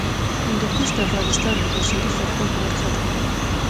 هندوکش د افغانستان د بشري فرهنګ برخه ده.